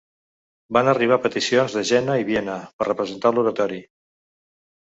Van arribar peticions de Jena i Viena per representar l'oratori.